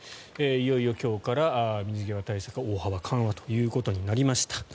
いよいよ今日から水際対策大幅緩和ということになりました。